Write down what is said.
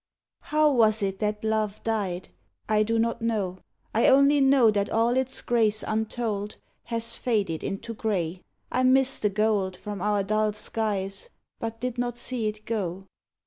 How was it that love died! I do not know. I only know that all its grace untold Has faded into gray! I miss the gold From our dull skies; but did not see it go.